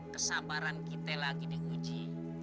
kesabaran kita lagi dikuji